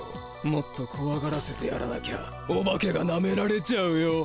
もっとこわがらせてやらなきゃお化けがなめられちゃうよ。